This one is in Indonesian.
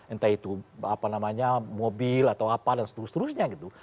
entah itu apa namanya mobil atau apa dan seterusnya gitu